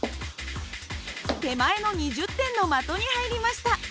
手前の２０点の的に入りました。